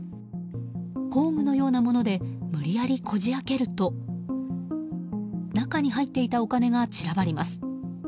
工具のようなもので無理やりこじ開けると中に入っていたお金が散らばります。